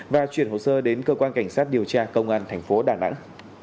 và chuyển hồ sơ đến cơ quan cảnh sát điều tra công an thành phố đà nẵng